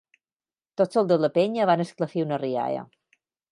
Tots els de la penya van esclafir una rialla.